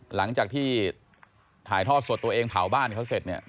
หลังจากที่ถ่ายทอดสดตัวเองเผาบ้านเขาเสร็จเนี่ย